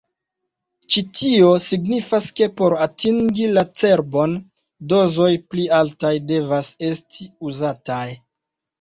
Ĉi-tio signifas ke por atingi la cerbon, dozoj pli altaj devas esti uzataj.